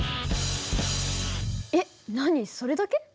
えっ何それだけ？